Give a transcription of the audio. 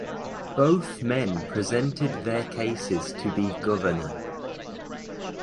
Both men presented their cases to be governor.